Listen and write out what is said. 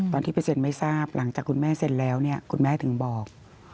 ไปเซ็นไม่ทราบหลังจากคุณแม่เซ็นแล้วเนี่ยคุณแม่ถึงบอก